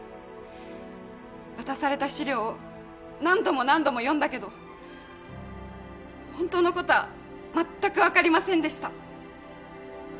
渡された資料を何度も何度も読んだけど本当のことはまったく分かりませんでした。